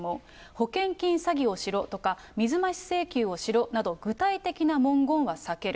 保険金詐欺をしろとか、水増し請求をしろなど具体的な文言は避ける。